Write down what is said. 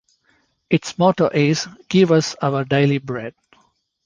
Its motto is "Give Us Our Daily Bread".